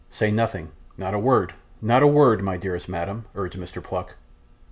'Say nothing; not a word, not a word, my dearest madam,' urged Mr. Pluck.